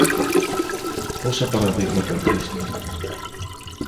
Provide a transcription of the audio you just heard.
πόσα παραδείγματα βρίσκει!